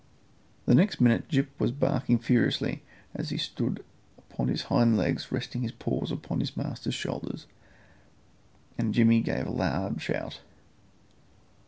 The next minute Gyp was barking furiously, as he stood upon his hind legs resting his paws upon his master's shoulders, and Jimmy gave a loud shout.